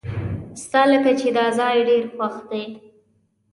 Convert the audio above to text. ستالکه چې داځای ډیر خوښ دی .